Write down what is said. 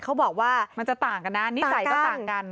เขาบอกว่ามันจะต่างกันนะนิสัยก็ต่างกัน